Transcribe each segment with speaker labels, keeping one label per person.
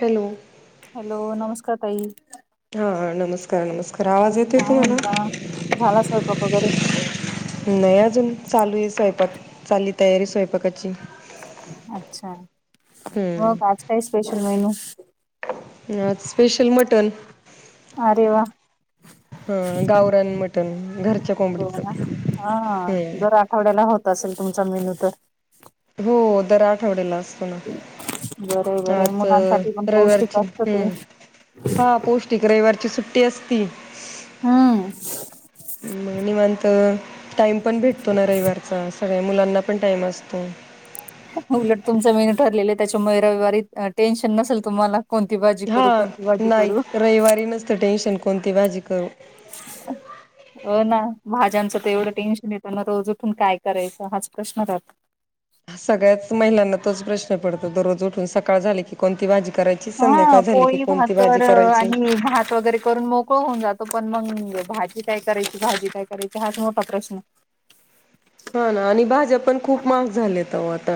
Speaker 1: Hello
Speaker 2: hello नमस्कार काप
Speaker 1: हा नमस्कार नमस्कार आवाज येतोय
Speaker 2: काय
Speaker 1: तुम्हाला?
Speaker 2: म्हणता झाला स्वयप वगैरे
Speaker 1: नाही अजून चालू आहे स्वयंपाक चालली तयारी स्वयंपाकाची
Speaker 2: अच्छा हो आज काहीच स्पेशल मेनू
Speaker 1: अ स्पेशल मटन
Speaker 2: अरे वा
Speaker 1: हा गारान मट
Speaker 2: हो हा दर
Speaker 1: हम्म
Speaker 2: आठवड्याला होत असेल तुमचा मेनू तर
Speaker 1: हो दर आठवड्याला असतो ना
Speaker 2: बरे बरे
Speaker 1: आज
Speaker 2: मुलांसाठी पण पौष्टिक
Speaker 1: रविवारची
Speaker 2: असत ते
Speaker 1: हम्म हा पौष्टिक रविवारची सुट टस्ी
Speaker 2: हम्म
Speaker 1: निवांत टाइम पण भेटतो ना रविारचा खर आहे मुलांना पण टाइम असतो
Speaker 2: उलट तुमचं मीन ठरलेलं त्याच्या मयराविवारी टेन्शन नसेल तुम्हाला कोणती भाजी
Speaker 1: हा
Speaker 2: करू कोणती भाजी
Speaker 1: नाही
Speaker 2: करू
Speaker 1: रविवारी नसत टेन्शन कोणती भाजी करू
Speaker 2: अ ना भाज्यांच तर एवढं टेन्शन येतना रोज तून काय करायचं हाच प्रश्न रात
Speaker 1: ा सगळ्याच महिलांना तोच प्रश्न पडतो दररोज उठून सकाळ झाली की कोणती बाजी
Speaker 2: हा पोळी भाकर
Speaker 1: करायची
Speaker 2: आणि भात वगैरे करून मोकळ होऊन जातो पण मग भाजी काय करायची भाजी काय करायची हाच मोठा प्रश्न
Speaker 1: हा ना आणि भाज्या पण खूप म् झालेत तर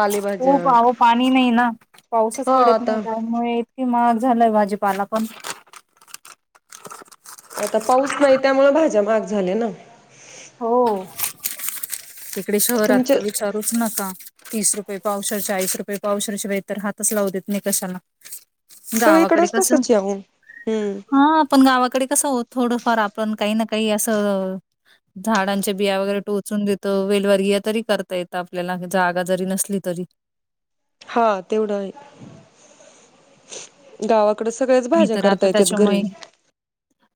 Speaker 2: होूवं पाणी नाही ना पाऊसच
Speaker 1: हा
Speaker 2: पडत नाही
Speaker 1: आता
Speaker 2: त्यामुळे इतकीे महाग झालंय भाजीपाला पण
Speaker 1: आता पाऊस नाही त्यामुळे भाज्या महाग झाल्या ना
Speaker 2: हो तडे शहरात तर
Speaker 1: तुमचे
Speaker 2: विचारूच नका तीस र रुे पावशेर चालीस रुपये पावशेर व बाे तर हातच लावू देत नाही कशाला गावाकडे
Speaker 1: सगळीकडच
Speaker 2: कस
Speaker 1: तसच आहे अहो हम्म
Speaker 2: हा आपण गावाकडे कसं हो थोडंफार आपण काही न काही असं झाडांच्या बिया वगैरे टोचून देत त वेलवरारी या तरी करता येत आपल्याला जागा जरी नसली तरी
Speaker 1: हा तेवढं आहे गावा
Speaker 2: मी तर आता त्याच्यामुळे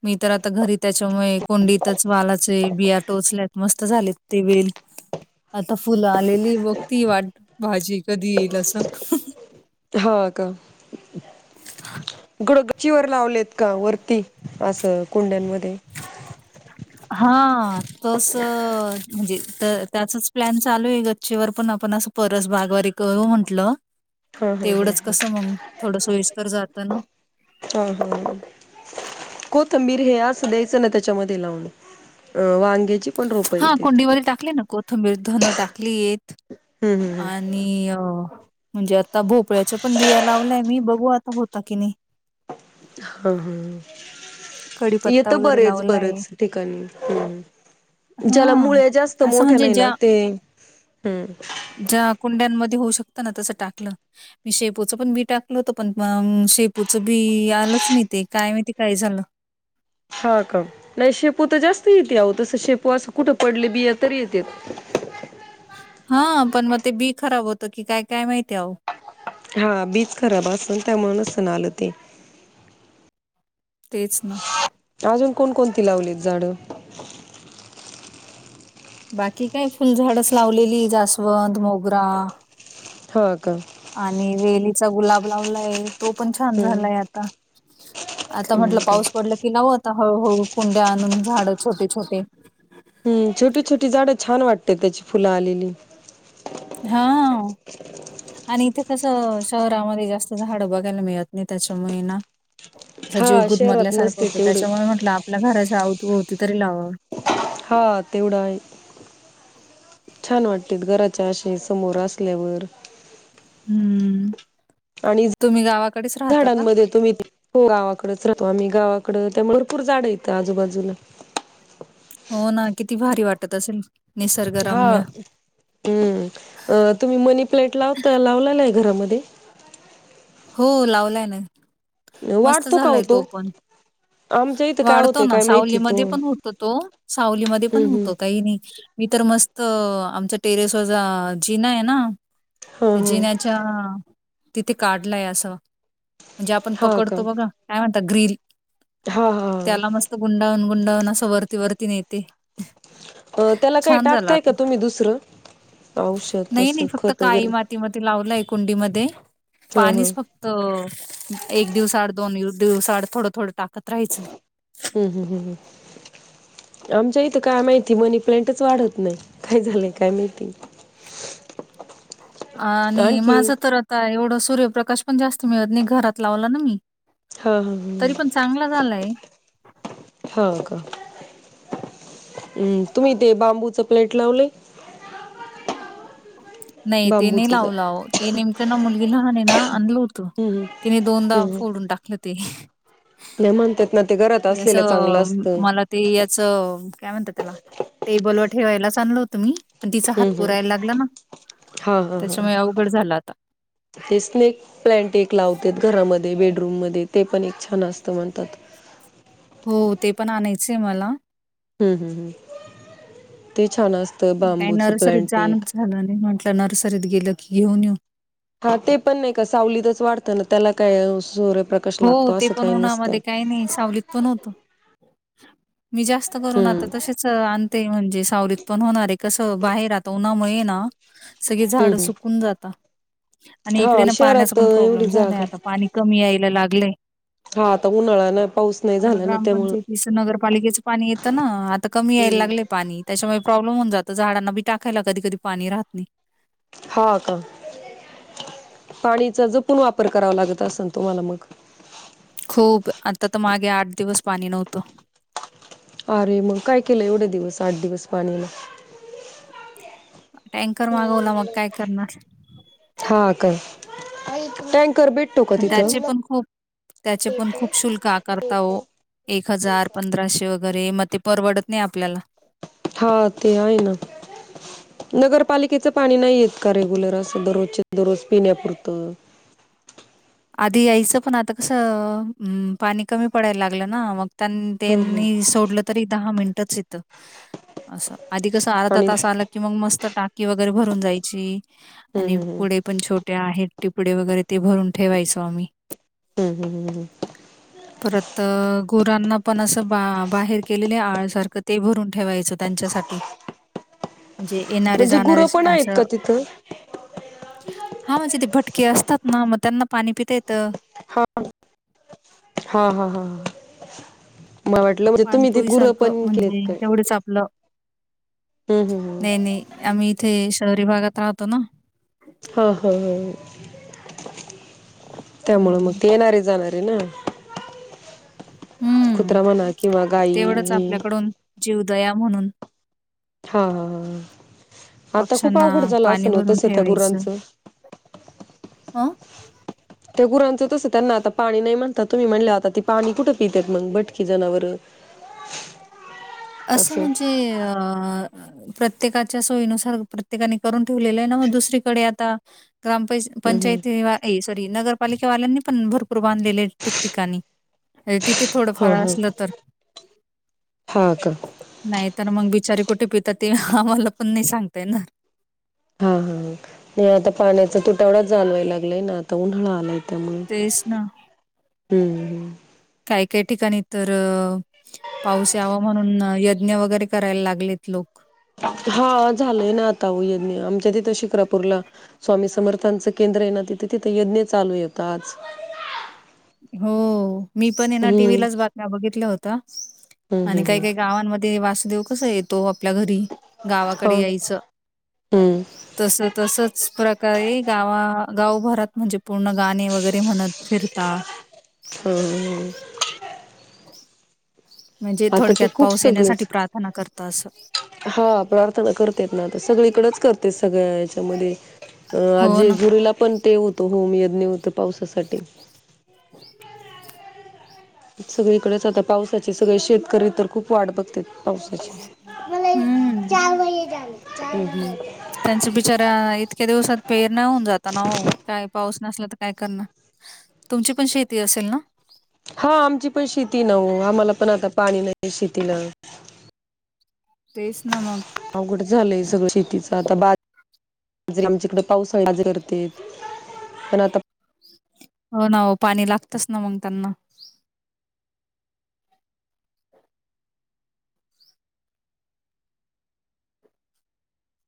Speaker 2: मी तर आता घरी त्याच्यामुळे कुंडीतच वालाचे बिया टोचल्यात मस्त झाले ते वेल आता फुलं आलेली बघ ती वाट भाजी कधी येईल असं
Speaker 1: होा का
Speaker 2: ह
Speaker 1: गच्चीवर लावलेत का वरती असं कुंड्यांमध्ये
Speaker 2: हा, तस म्हणजे तर त्याचच प्लॅन चालू आहे. गच्चीवर पण आपण असं परस बागवारी करू म्हंटलं.
Speaker 1: हा, हा, हा,
Speaker 2: तेवढंच
Speaker 1: हा,
Speaker 2: कसं मग थोडं सोयीस्कर जातं ना.
Speaker 1: हा, हा. कोथिंबीर हे आस द्यायचं ना त्याच्यामध्ये लावून अं वांग्याची पण रोप येतेत.
Speaker 2: बर धन टाकलीयेत
Speaker 1: हम्म हम्म हम्म
Speaker 2: आणि अ म्हणजे आता भोपळ्याच्या पण बिया लावलाय, मी बघू आता होत की नाही.
Speaker 1: हा, हा. येत
Speaker 2: कडीपत्ता वगैरे
Speaker 1: बरेच,
Speaker 2: लावलाय.
Speaker 1: बरेच ठिकाणी हं ज्याला
Speaker 2: हा
Speaker 1: मुळ्या जास्त
Speaker 2: असं
Speaker 1: मोठ्या
Speaker 2: म्हणजे
Speaker 1: नाही ना
Speaker 2: ज्या
Speaker 1: ते, हम्म.
Speaker 2: शकत ना तस टाकलं. मी शेपूच पण बी टाकल होत पण अ शेपूच बी आलंच नाही ते काय माहिती काय झालं.
Speaker 1: हा का नाही शेपू [unintelligible] येते अहो तसं शेपू असं कुठं पडले बिया तर येतेत.
Speaker 2: हा पण मग ते बी खराब होत की काय काय माहिती अहो.
Speaker 1: हा बीच खराब असलं त्यामुळं नसण आलं ते.
Speaker 2: तेच ना.
Speaker 1: अजून कोण कोणती लावलीत झाडं?
Speaker 2: बाकी काय फुलझाडच लावलेली जास्वंद, मोगरा
Speaker 1: हो का?
Speaker 2: आणि वेलीचा गुलाब लावलायं. तो पण छान
Speaker 1: हम्म
Speaker 2: झालाय आता, आता
Speaker 1: हम्म
Speaker 2: म्हटलं
Speaker 1: का
Speaker 2: पाऊस पडला की लावत आता हळूहळू कुंड्या आणून झाड छोटे छोटे
Speaker 1: हम्म छोटी छोटी झाड छान वाटते त्याची फुलं आलेली.
Speaker 2: हा आणि इथे कसं शहरामध्ये जास्त झाड बघायला मिळत नाही त्याच्यामुळे ना असा जीव
Speaker 1: हा शहरात
Speaker 2: गुदमदल्यासारखं
Speaker 1: नसते
Speaker 2: होतं
Speaker 1: तेवढे
Speaker 2: त्याच्यामुळे म्हटलं आपल्या घराच्या आवती भोवती तरी लावावं.
Speaker 1: हा तेवढा हाय. छान वाटते घराच्या असे समोर असल्यावर
Speaker 2: हम्म.
Speaker 1: आणि
Speaker 2: तुम्ही गावाकडेच राहता का?
Speaker 1: झाडांमध्ये तुम्ही त गावाकडेच राहतो आम्ही. गावाकडं त्यामुळे भरपूर जाडं हायतं आजूबाजूला.
Speaker 2: हो ना किती भारी वाट त असेल.
Speaker 1: हा
Speaker 2: निसर्गरम्य.
Speaker 1: हम्म. अ तुम्ही मनी प्लॅट लावता लावलेला हाय घरामध्ये?
Speaker 2: हो लावलाय ना. मस्त
Speaker 1: वाढतो का
Speaker 2: झालाय
Speaker 1: होतो
Speaker 2: तो पण.
Speaker 1: आमच्या इथं काय
Speaker 2: वाढतो
Speaker 1: होतंय
Speaker 2: ना
Speaker 1: काय माहिती तो
Speaker 2: सावलीमध्ये पण होतो तो सावलीमध्ये पण
Speaker 1: हम्म
Speaker 2: होतो काही नाही. मी तर मस्त आमच्या टेरेस व जिना आहे ना त्या
Speaker 1: हम्म
Speaker 2: जिन्याच्या तिथे काढलाय असं. म्हणजे आपण
Speaker 1: हा हा हा का
Speaker 2: पकडतो बघा? [unintelligible] तग्रील
Speaker 1: हा हा
Speaker 2: त्याला मस्त गुंडावन गुंड न नस वरती वरती नेत ते
Speaker 1: हा त्याला काही
Speaker 2: छान
Speaker 1: टाकताय
Speaker 2: झालात.
Speaker 1: का तुम्ही दुसरं औषध तसं
Speaker 2: नाई-नई फक्त
Speaker 1: खत
Speaker 2: काळी
Speaker 1: वगैरे
Speaker 2: माती मते लावलाय. कुंडीमध्ये.
Speaker 1: हा हा
Speaker 2: पाणीच फक्त एक दिवस आड दोन यू दिवसाड थोडं थोडं टाकत राहायचं.
Speaker 1: हम्-हम्-हम्-हम्, आमच्या इथं काय माहिती मनी पेंटच वाढत नाही. काय झालंय काय माहिती.
Speaker 2: आणि
Speaker 1: आणखी
Speaker 2: माझं तर आता एवढं सूर्यप्रकाश पण जास्त मिळत नाही, घरात लावला ना मी.
Speaker 1: हा हा
Speaker 2: तरी
Speaker 1: हा
Speaker 2: पण चांगला झालाय.
Speaker 1: हां का, म् तुम्ही तेे बांबूच प्लेट लावले?
Speaker 2: [inaudible] नाही ते नाही
Speaker 1: बांबूच ज
Speaker 2: लावला ओ, नेमकं ना मुलगीला. आणि ना आनलोत त
Speaker 1: हम्म
Speaker 2: तिने दोनदा फोडून टाकलेत. ते
Speaker 1: नाई म्हणतात. ना ते घरात
Speaker 2: ए
Speaker 1: असलेलं चांगलं
Speaker 2: असं,
Speaker 1: असतं
Speaker 2: मला ते याचं काय म्हणतात त्याला? टेबल वर ठेवायलाच आणलं होतं मी. पण तिचा हात
Speaker 1: हम्-हम्,
Speaker 2: पुरायला लागला ना त्याच्यामुळे
Speaker 1: हां-हां-हां-हां.
Speaker 2: अवघड झालं आता
Speaker 1: तेस्नेक प्लांट एक लावतात घरामध्ये. बेडरूम मध्ये ते पण एक छान असतं म्हणतात.
Speaker 2: हो, ते पण आणायचंय मला.
Speaker 1: हम्-हम्-हम्, ते छान असतं
Speaker 2: पण काही
Speaker 1: बांबूच
Speaker 2: नर्सरीत
Speaker 1: प्लांट एक.
Speaker 2: जाणच झालं नाही म्हटलं नर्सरीत गेलं की घेऊन येऊ.
Speaker 1: हां ते पण एका सावलीतच वाढतं ना. त्याला काय सूर
Speaker 2: हो, ते पण उन्हामध्ये काही नाही सावलीत पण होतं. मी जास्त करून आता
Speaker 1: हम्म
Speaker 2: तशेच आणते म्हणजेच. सावलीत पण होणारे कसं बाहेर आता उन्हामुळे ना सगळे झाडं
Speaker 1: हम्म हम्
Speaker 2: सुकून जाता. आणि इकडे
Speaker 1: हा
Speaker 2: ना पाण्याचा
Speaker 1: शहरात
Speaker 2: पण
Speaker 1: एवढी
Speaker 2: प्रॉब्लेम झालाय
Speaker 1: जागा
Speaker 2: आता पाणी कमी याय ला लागलंय.
Speaker 1: हा आता उन्हाळा ना पाऊस नाही
Speaker 2: आम्हाला
Speaker 1: झाला ना त्यामुळं
Speaker 2: ग्रामपंचायतीचं, नगरपालिकेचं पाणी येतं ना, आता कमी याय
Speaker 1: हम्म.
Speaker 2: लागले पाणी. त्याच्यामुळे प्रॉब्लेम होऊन जात झाडांना बी टाकायला कधी कधी पाणी राहत नाही.
Speaker 1: हा का पाणीचा जपून वापर करावा लागत असेल तुम्हाला मग.
Speaker 2: खूप, आता तर मागे आठ दिवस पाणी नव्हतं.
Speaker 1: अरे मग काय केलं एवढे दिवस आठ दिवस पाणी नाय.
Speaker 2: टँकर मागवला मग काय करणार.
Speaker 1: हा का टँ
Speaker 2: पण त्याचे पण खूप त्याचे पण खूप शुल्क आकारता ओ एक हजार पंधराशे वगैर. वगैरे मग ते परवडत नाही आपल्याला.
Speaker 1: हा ते आहे ना नगरपालिकेचं पाणी नाहीयेत का रेग्युलर असं दररोजच्या दररोज पिण्यापुरतं?
Speaker 2: आधी यायचं, पण आता कसं, पाणी कमी पडायला लागलं ना मग त्या
Speaker 1: हम्म हम्म
Speaker 2: त्यांनी सोडलं तरी दहा मिनिट [unintelligible] असं आधी कसं अर्धा
Speaker 1: आणि
Speaker 2: तास
Speaker 1: हम्म
Speaker 2: आला की मग मस्त टाक कि वगैरे भरून जायची. आणि
Speaker 1: हम्म हम्म
Speaker 2: पुढे पण छोटे आहेत. टिपडे वगैरे ते भरून ठेवायचो आम्ही.
Speaker 1: हम्म हम्म हम्म
Speaker 2: परत अं पोरांना पण असं बा बाहेर केलेलं आणि सारखं ते भरून. ठेवायच त्यांच्यासाठी. म्हणजे येणारे
Speaker 1: म्हणजे
Speaker 2: जाणारे
Speaker 1: गुरं पण आहेत
Speaker 2: असं
Speaker 1: का तिथं?
Speaker 2: हा म्हणजे ते भट असतात ना मग त्यांना पाणी पिता येतं
Speaker 1: हा हा हा हा ह [unintelligible] मला वाटलं म्हणजे तुम्ही तिथ गुरं
Speaker 2: पाणपोईसारखं
Speaker 1: पण केलेत
Speaker 2: म्हणजे
Speaker 1: काय
Speaker 2: तेवढंच आपलं
Speaker 1: हम्म हम्म हम्म
Speaker 2: नाही नाही आम्ही इथे शहरी भागात राहतो ना
Speaker 1: हा हा हा.
Speaker 2: तर
Speaker 1: त्यामुळं मग ते येणारे जाणारे [unintelligible]
Speaker 2: हं,
Speaker 1: कुत्रा म्हणा किंवा गाई
Speaker 2: तेवढंच
Speaker 1: हे
Speaker 2: आपल्याकडून जीवदया म्हणून
Speaker 1: हा हा ह आता खूप
Speaker 2: पक्ष्यांना
Speaker 1: अवघड झालं असल
Speaker 2: पाणी
Speaker 1: ना
Speaker 2: भरून
Speaker 1: तस त्या गुरांचं
Speaker 2: आ
Speaker 1: त्या गुरांचं तसं त्यांना आता पाणी नाही म्हणता तुम्ही म्हणला आता ती पाणी कुठं पितेत मग भटकी जनावरं
Speaker 2: असं म्हणजे अं प्रत्येकाच्या सोयीनुसार प्रत्येकाने करून ठेवलेलं आहे ना मग दुसरीकडे आता ग्रामपं
Speaker 1: हम्म
Speaker 2: पंचायती सॉरी नगरपालिकेवाल्यांनी पण भरपूर बांधलेले ठिकठिकाणी तिथे
Speaker 1: हा
Speaker 2: थोडंफार
Speaker 1: ह
Speaker 2: असलं तर.
Speaker 1: हा का
Speaker 2: नाही तर मग बिचारी कुठे [unintelligible] आम्हाला पण नाही सांगता येणार
Speaker 1: हा हा नाही आता पाण्याचा तुटवडा जाणवाय लागलाय ना आता उन्हाळा आलाय त्यामुळे
Speaker 2: तेच ना.
Speaker 1: हम्म ह्
Speaker 2: त्या ठिकाणी तर पाऊस यावा म्हणून यज्ञ वगैरे करायला लागलेत लोक
Speaker 1: हा झालंय ना आता हो आमच्या तिथं शिक्रापूरला स्वामी समर्थांचं केंद्र आहे ना, तिथे तिथे यज्ञ चालू येता आज
Speaker 2: हो मी पण ना
Speaker 1: हम्म
Speaker 2: टीव्हीलाच बातम्या बघितल्या होतं
Speaker 1: हम्म
Speaker 2: आणि
Speaker 1: हम्म
Speaker 2: काही
Speaker 1: हम्म.
Speaker 2: काही गावांमध्ये ते वासुदेव कसं येतो. आपल्या घरी
Speaker 1: हो.
Speaker 2: गावाकडे यायचं
Speaker 1: हम्म
Speaker 2: तस तसच प्रकारे गावा गावभरात म्हणजे पूर्ण गाणे वगैरे म्हणत फिरता
Speaker 1: हम्म हमम
Speaker 2: [inaudible] म्हणजे
Speaker 1: आता ते
Speaker 2: थोडक्यात
Speaker 1: खूप
Speaker 2: पाऊस येण्यासाठी
Speaker 1: सगळेच
Speaker 2: प्रार्थना करता असं.
Speaker 1: हा प्रार्थना करतेत ना आता सगळे इकडच करते सगळ्या ह याच्यामध्ये अं आज
Speaker 2: हो ना.
Speaker 1: जेजुरीला पण ते होतो होम यज्ञ होत. पावसाच कटिंग सगळीकडेच आता पावसाचे सगळे शेतकरी तर खूप वाट बघत्यात.
Speaker 2: हम्म
Speaker 1: चार वय झाले चार वय
Speaker 2: त्यांचा बिचारा इतक्या दिवसात पेरण्या होऊन जाता ना हो काय पाऊस नसल्या तर काय करणार तुमची पण शेती असेल ना
Speaker 1: हा आमची पण शेती ना ओ आम्हाला पण आता पाणी नाही शेती ना
Speaker 2: तेच ना मग.
Speaker 1: अवघड झालंय सगळं शेतीच आता बा आमच्याकडे पाऊसज करते पण आता
Speaker 2: हो ना हो पाणी लागतच ना मग त्यांना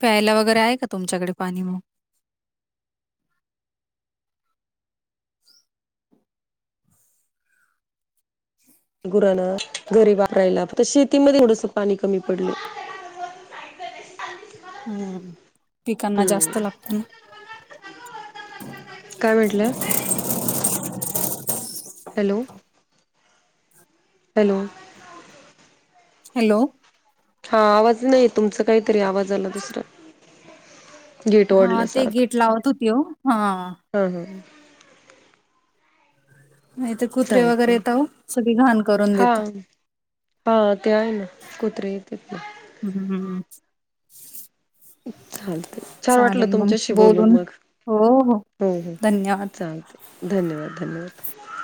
Speaker 2: प्यायला वगैरे आहे का तुमच्याकडे पाणी म
Speaker 1: गुरांना, घरी वापरायला, शेतीमध्ये [unintelligible] पाणी कमी पडले.
Speaker 2: हम् पिकांना
Speaker 1: हम्म
Speaker 2: जास्त लागत ना,
Speaker 1: काय म्हटलं
Speaker 2: ह
Speaker 1: हॅलो, हॅलो,
Speaker 2: हॅलो,
Speaker 1: हा आवाज नाही तुमचं काहीतरी आवाजाला दुसरं
Speaker 2: हा ते गेट लावत होते हो हा
Speaker 1: हा हा
Speaker 2: नाही तर कुत्रे वगैरे
Speaker 1: चालतंय
Speaker 2: येत हो सगळी घाण करून
Speaker 1: हा
Speaker 2: देत
Speaker 1: हा ते आहे ना कुत्रे येतेत ना
Speaker 2: ह्् ह्् ह
Speaker 1: चालते छान वाटलं तुमच्याशी बोलून मग हो हो
Speaker 2: धन्यवाद.
Speaker 1: चालते धन्यवाद धन्यवाद हो